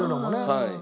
はい。